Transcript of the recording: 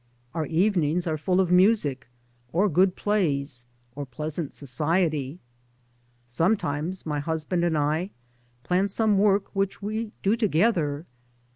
Our evenings are full of music or good plays or pleasant society. Sometimes my husband and I plan some work which we do together.